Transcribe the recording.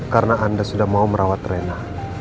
karena anda sudah mau merawat rena